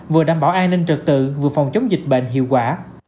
vừa đảm bảo an ninh trật tự vừa phòng chống dịch bệnh hiệu quả